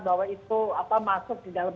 bahwa itu masuk di dalam